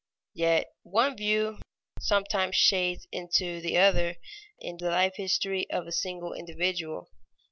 Yet one view sometimes shades into the other in the life history of a single individual.